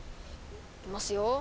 いきますよ。